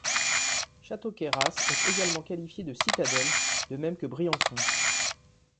Château-Queyras est également qualifié de citadelle, de même que Briançon.